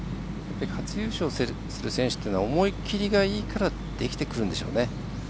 初優勝をする選手というのは思い切りがいいからできてくるんでしょうね。